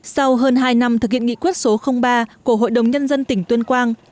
sau hơn hai năm thực hiện nghị quyết số ba của hội đồng nhân dân tỉnh tuyên quang